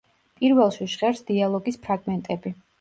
პირველში ჟღერს დიალოგის ფრაგმენტები.